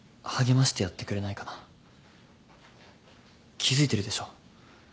気付いてるでしょ？